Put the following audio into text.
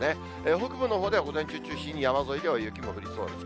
北部のほうでは午前中中心に山沿いでは雪も降りそうです。